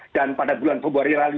dan pada bulan pobori rally